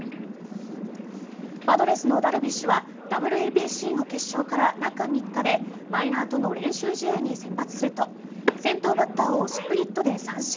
パドレスのダルビッシュはＷＢＣの決勝から中３日でマイナーとの練習試合に先発すると先頭バッターをスプリットで三振。